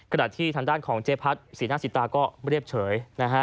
ขณะที่ทางด้านของเจ๊พัฒน์ศรีนาศิตาก็ไม่เรียบเฉย